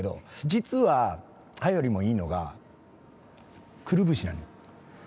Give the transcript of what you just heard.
実は歯よりもいいのがくるぶしなの。